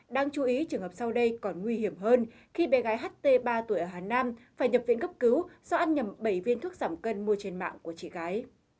đáng chú ý trường hợp sau đây còn nguy hiểm hơn khi bé gái ht ba tuổi ở hà nam phải nhập viện cấp cứu do ăn nhầm bảy viên thuốc giảm cân mua trên mạng của chị gái